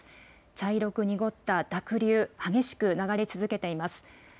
茶色く濁った濁流、激しく流れ続けています。